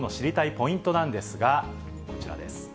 ポイントなんですが、こちらです。